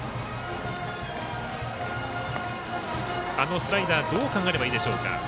あのスライダーどう考えればいいでしょうか。